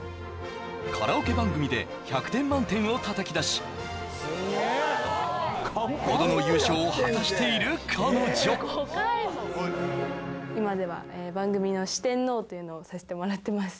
カラオケ番組で１００点満点をたたき出し５度の優勝を果たしている彼女というのをさせてもらってます